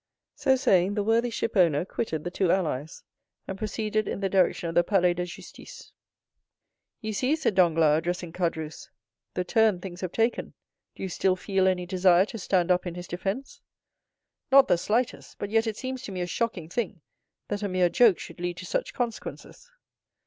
So saying, the worthy shipowner quitted the two allies, and proceeded in the direction of the Palais de Justice. 0081m "You see," said Danglars, addressing Caderousse, "the turn things have taken. Do you still feel any desire to stand up in his defence?" "Not the slightest, but yet it seems to me a shocking thing that a mere joke should lead to such consequences."